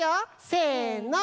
せの。